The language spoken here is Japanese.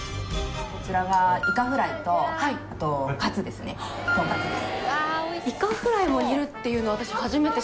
こちらがイカフライとあとかつですねとんかつです。